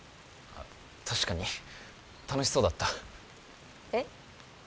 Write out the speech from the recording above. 確かに楽しそうだったえっ？